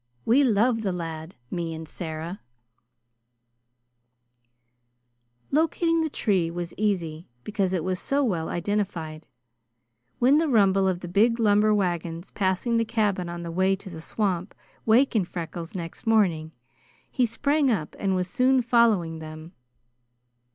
We love the lad, me and Sarah." Locating the tree was easy, because it was so well identified. When the rumble of the big lumber wagons passing the cabin on the way to the swamp wakened Freckles next morning, he sprang up and was soon following them.